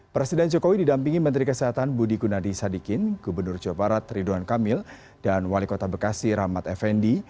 presiden jokowi didampingi menteri kesehatan budi gunadi sadikin gubernur jawa barat ridwan kamil dan wali kota bekasi rahmat effendi